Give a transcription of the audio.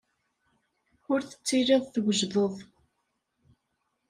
Ur tettiliḍ twejdeḍ.